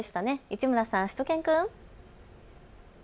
市村さん、しゅと犬くん。